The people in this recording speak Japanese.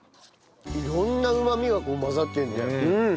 色んなうまみが混ざってるじゃん。